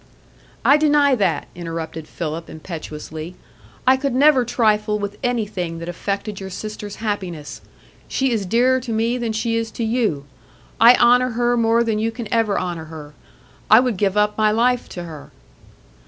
"I deny that," interrupted Philip, impetuously. "I could never trifle with anything that affected your sister's happiness. She is dearer to me than she is to you; I honour her more than you can ever honour her; I would give up my life to her."